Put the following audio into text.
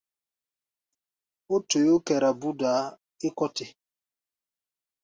Ó toyó kɛra búdaa é kɔ́ te.